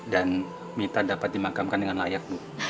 dan mita dapat dimakamkan dengan layak bu